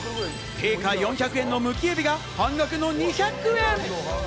定価４００円のムキエビが半額の２００円！